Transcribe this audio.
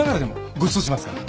ごちそうしますから。